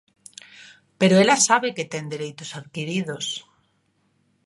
Pero ela sabe que ten dereitos adquiridos.